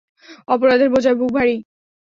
অপরাধের বোঝায় বুক ভারী।